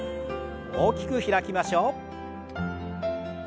大きく開きましょう。